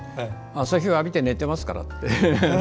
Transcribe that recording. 朝日を浴びて寝てますからって。